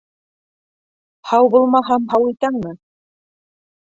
Һау булмаһам, һау итәңме?